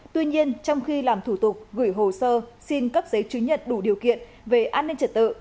tuy nhiên trong khi làm thủ tục gửi hồ sơ xin cấp giấy chứng nhận đủ điều kiện về an ninh trật tự